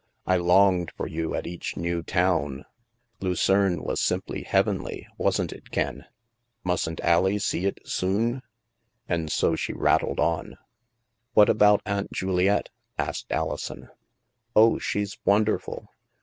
I longed for you at each new town ! Lucerne was simply heavenly, wasn't it, Ken? Mustn't Al lie see it soon ?" And so she rattled on. " What about Aunt Juliette? " asked Alison. " Oh, she's wonderful.